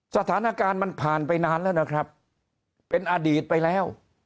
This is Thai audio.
สถานการณ์มันผ่านไปนานแล้วนะครับเป็นอดีตไปแล้ว